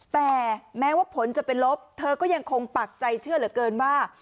แต่แม้ว่าผลจะเป็นลบเธอก็ยังคงปักใจเชื่อเหลือเกินว่า